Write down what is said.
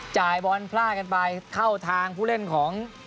จ่ายบอลพลาดกันไปเข้าทางผู้เล่นของ